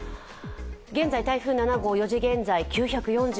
現在台風７号、４時現在９４０